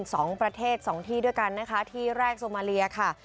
สองประเทศสองที่ด้วยกันนะคะที่แรกโซมาเลียค่ะ